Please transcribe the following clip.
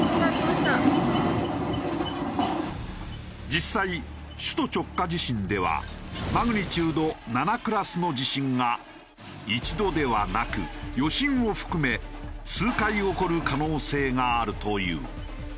実際首都直下地震ではマグニチュード７クラスの地震が一度ではなく余震を含め数回起こる可能性があるという。